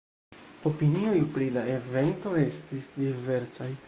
Opinioj pri la evento estis diversaj.